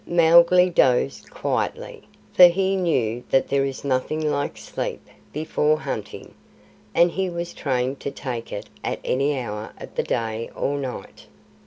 Mowgli dozed quietly, for he knew that there is nothing like sleep before hunting, and he was trained to take it at any hour of the day or night.